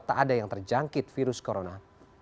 tak ada yang terjangkit virus corona